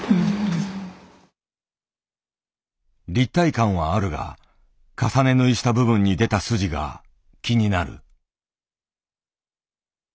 立体感はあるが重ね縫いした部分に出た筋が気になる。